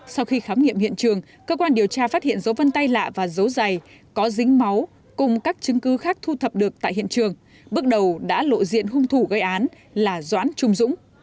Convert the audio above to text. sau khi khám nghiệm hiện trường cơ quan điều tra phát hiện dấu vân tay lạ và dấu dày có dính máu cùng các chứng cứ khác thu thập được tại hiện trường bước đầu đã lộ diện hung thủ gây án là doãn trung dũng